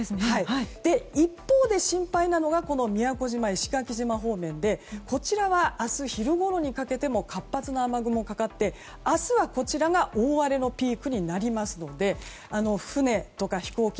一方で心配なのは宮古島、石垣島方面でこちらは明日昼ごろにかけても活発な雨雲がかかって明日は、こちらが大荒れのピークになりますので船とか飛行機